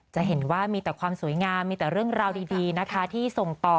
จะเห็นว่ามีแต่ความสวยงามมีแต่เรื่องราวดีนะคะที่ส่งต่อ